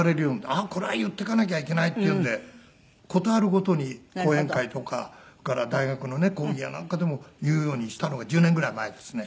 あっこれは言っていかなきゃいけないっていうんで事あるごとに講演会とかそれから大学の講義やなんかでも言うようにしたのが１０年ぐらい前ですね。